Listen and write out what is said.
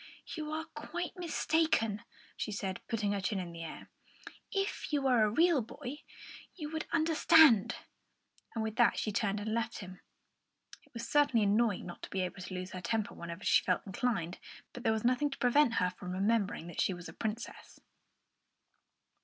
"You are quite mistaken," she said, putting her chin in the air. "If you were a real boy you would understand." And with that she turned and left him. It was certainly annoying not to be able to lose her temper whenever she felt inclined, but there was nothing to prevent her from remembering that she was a princess.